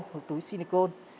hoặc túi sinicone